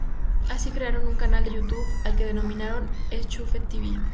Así crearon un canal de YouTube al que denominaron "Enchufe.tv".